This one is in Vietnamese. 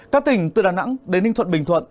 các tỉnh từ đà nẵng đến ninh thuận bình thuận